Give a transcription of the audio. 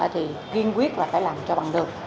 thì kiên quyết là phải làm cho bằng được